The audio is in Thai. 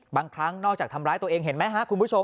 บางครั้งนอกจากทำร้ายตัวเองเห็นไหมครับคุณผู้ชม